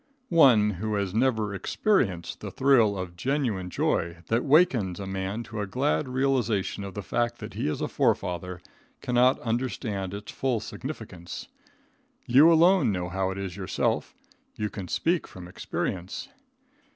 One who has never experienced the thrill of genuine joy that wakens a man to a glad realization of the fact that he is a forefather, cannot understand its full significance. You alone know how it is yourself, you can speak from experience.